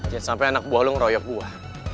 jangan sampai anak buah lu ngeroyok gua